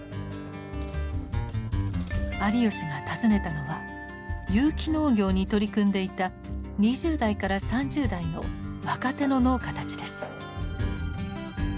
有吉が訪ねたのは有機農業に取り組んでいた２０代から３０代の若手の農家たちです。